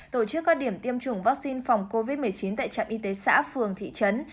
tổ chức các điểm tiêm chủng vaccine phòng covid một mươi chín tại trạm y tế xã phường thị trấn